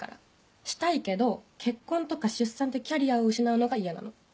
したいけど結婚とか出産でキャリアを失うのが嫌なの。